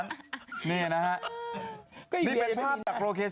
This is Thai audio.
นี่ครับ